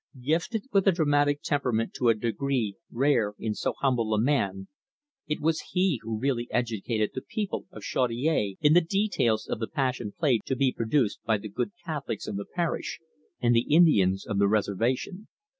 Gifted with the dramatic temperament to a degree rare in so humble a man, he it was who really educated the people of Chaudiere in the details of the Passion Play to be produced by the good Catholics of the parish and the Indians of the reservation.